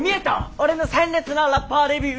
俺の鮮烈なラッパーデビュー。